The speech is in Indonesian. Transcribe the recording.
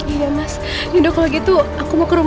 iya mas ya udah kalau gitu aku mau ke rumahnya